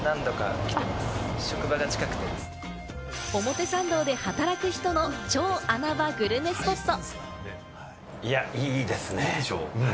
表参道で働く人の超穴場グルメスポット。